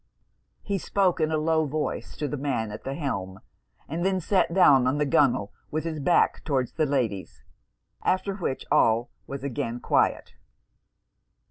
He spoke in a low voice to the man at the helm, and then sat down on the gunwale, with his back towards the ladies; after which all was again quiet.